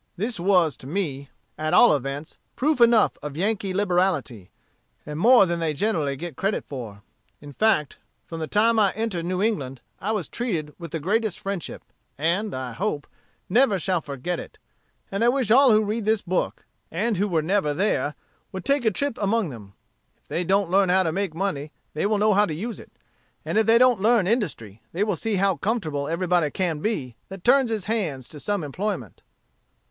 This was, to me, at all events, proof enough of Yankee liberality; and more than they generally get credit for. In fact, from the time I entered New England, I was treated with the greatest friendship; and, I hope, never shall forget it; and I wish all who read this book, and who never were there, would take a trip among them. If they don't learn how to make money, they will know how to use it; and if they don't learn industry, they will see how comfortable everybody can be that turns his hands to some employment."